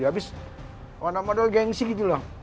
ya habis waduh waduh gengsi gitu loh